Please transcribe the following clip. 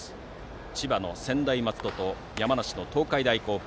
千葉の専大松戸と山梨の東海大甲府。